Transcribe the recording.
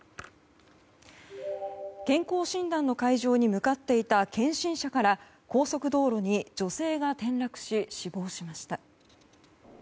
健康診断の会場に向かっていた検診車から高速道路に女性が転落し死亡しました。